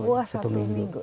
wah satu minggu